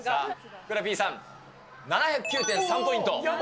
ふくらＰさん、７０９．３ポイント。